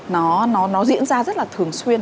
nó diễn ra rất là thường xuyên